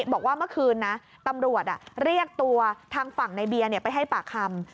บอกว่าเมื่อคืนนะตำรวจเรียกตัวทางฝั่งในเบียร์ไปให้ปากคำ